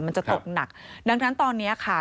มันจะตกหนักดังนั้นตอนนี้ค่ะ